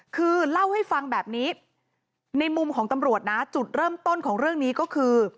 คือเล่าให้ฟังแบบนี้ในมุมของตำรวจนะจุดเริ่มต้นของเรื่องนี้ก็คือ